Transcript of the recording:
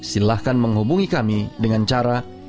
silahkan menghubungi kami dengan cara